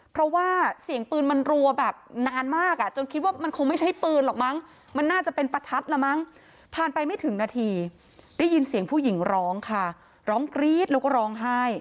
เพราะว่าเสียงปืนมันรัวแบบนานมากจนคิดว่ามันคงไม่ใช่ปืนหรอกมั้ง